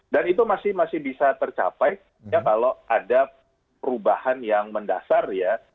dan itu masih bisa tercapai ya kalau ada perubahan yang mendasar ya